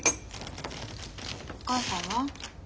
お母さんは？